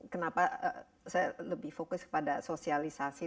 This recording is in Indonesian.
kenapa saya lebih fokus pada sosialisasi